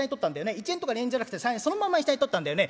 １円とか２円じゃなくて３円そのまま下に取ったんだよね？